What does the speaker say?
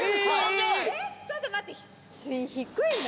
ちょっと待って低いな。